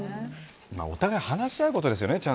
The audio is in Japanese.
お互い話し合うことですよね